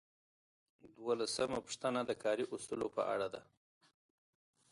دولسمه پوښتنه د کاري اصولو په اړه ده.